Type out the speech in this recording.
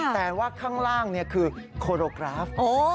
แต่ว่าข้างล่างคือโคโรกราฟ